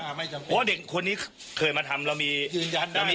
ไม่จำเป็นครับเพราะว่าเด็กคนนี้เคยมาทำเรามียืนยันได้เรามี